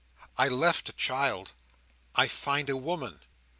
I left a child. I find a woman."